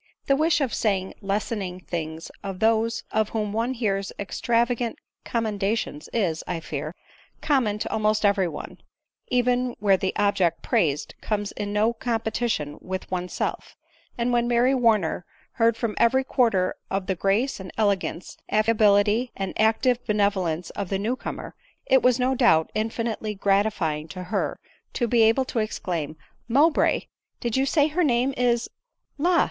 The wish of saying lessening things of those of whom "'*» 198 ADELINE MOWBRAY. one bears extravagant commendations, is, I fear, com* mon to almost every one, even where the object praised comes in no competition with oneself; and when Mary Warner heard from every quarter of the grace and ele gance, affability and active benevolence of the new comer, it was no doubt infinitely gratifying to her to be able to exclaim —" Mowbray ! did you say her name is ? La